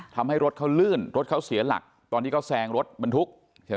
ทำให้รถเขาลื่นรถเขาเสียหลักตอนที่เขาแซงรถบรรทุกใช่ไหม